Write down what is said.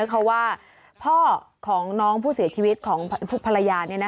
เพราะว่าพ่อของน้องผู้เสียชีวิตของภรรยา